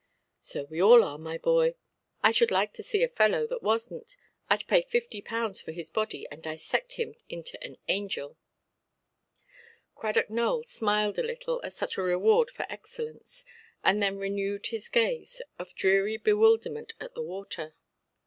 "So we are all, my boy. I should like to see a fellow that wasnʼt. Iʼd pay fifty pounds for his body, and dissect him into an angel". Cradock Nowell smiled a little at such a reward for excellence, and then renewed his gaze of dreary bewilderment at the water.